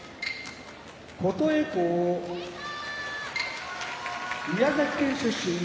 琴恵光宮崎県出身